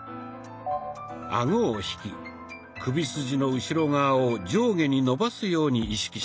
アゴを引き首筋の後ろ側を上下に伸ばすように意識します。